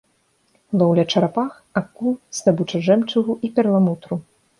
Лоўля чарапах, акул, здабыча жэмчугу і перламутру.